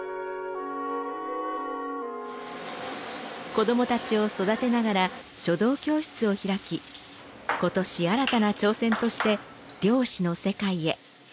子どもたちを育てながら書道教室を開き今年新たな挑戦として漁師の世界へ。